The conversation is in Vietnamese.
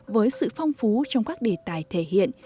với sự phong phú trong các đề tài thể hiện